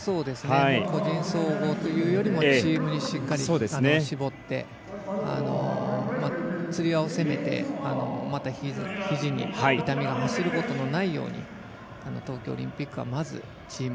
個人総合というよりもチームにしっかり絞ってつり輪を攻めてひじに痛みが走ることがないように東京オリンピックはまず、チーム。